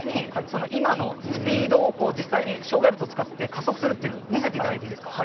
実際に障害物を使って加速するというものを見せていただいてもいいですか。